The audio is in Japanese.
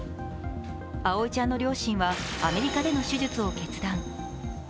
葵ちゃんの両親はアメリカでの手術を決断。